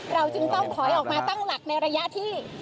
เราจึงต้องถอยออกมาตั้งหลักในระยะที่